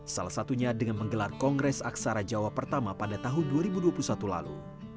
salah satunya dengan menggelar kongres aksara jawa pertama pada tahun dua ribu dua puluh satu lalu